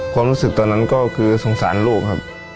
ความรู้สึกตอนนั้นก็คือสงสารลูกครับ